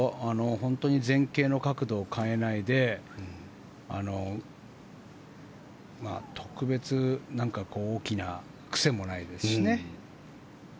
本当に前傾の角度を変えないで特別、大きな癖もないですしね。